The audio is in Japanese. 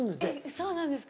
そうなんですか？